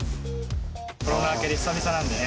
コロナ明けで久々なんでね、